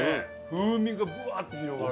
風味がブワッて広がる。